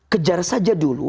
kejar saja dulu